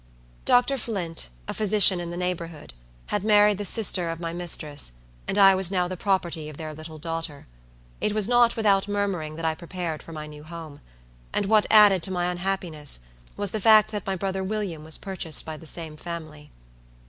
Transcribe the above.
Dr. Flint, a physician in the neighborhood, had married the sister of my mistress, and I was now the property of their little daughter. It was not without murmuring that I prepared for my new home; and what added to my unhappiness, was the fact that my brother William was purchased by the same family.